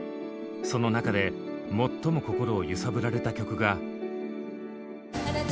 その中で最も心を揺さぶられた曲が。